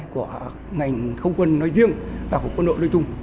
của ngành không quân nói riêng và của quân đội nói chung